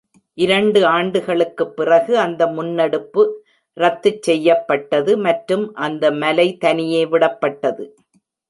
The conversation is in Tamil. இரண்டு ஆண்டுகளுக்குப் பிறகு அந்த முன்னெடுப்பு ரத்துச் செய்யப்பட்டது மற்றும் அந்த மலை தனியே விடப்பட்டது.